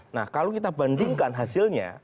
nah kalau kita bandingkan hasilnya